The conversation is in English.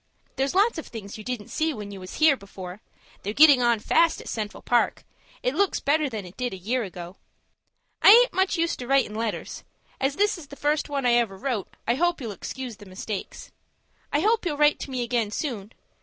There's lots of things you didn't see when you was here before. They're getting on fast at the Central Park. It looks better than it did a year ago. "I aint much used to writin' letters. As this is the first one I ever wrote, I hope you'll excuse the mistakes. I hope you'll write to me again soon.